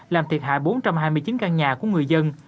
làm thiệt hại bốn trăm hai mươi chín căn nhà của người dân